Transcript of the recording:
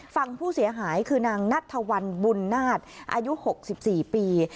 ฝั่งผู้เสียหายคือนางนัทธวัลบุญนาฏอายุ๖๔ปี